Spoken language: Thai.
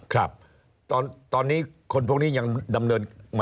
ครับตอนนี้คนพวกนี้ยังดำเนิน